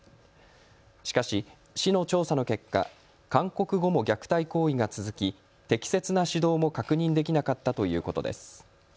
しかし市の調査の結果、勧告後も虐待行為が続き適切な指導も確認できなかったということです。